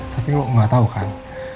tapi lo gak tau kan